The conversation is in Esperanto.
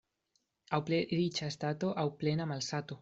Aŭ plej riĉa stato, aŭ plena malsato.